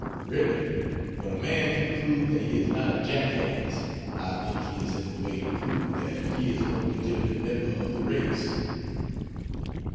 Really, when a man can prove that he is not a jackass, I think he is in the way to prove that he is no legitimate member of the race.